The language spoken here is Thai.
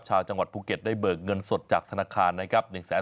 ชาวจังหวัดภูเก็ตได้เบิกเงินสดจากธนาคารนะครับ